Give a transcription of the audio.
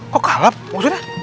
kok kalap maksudnya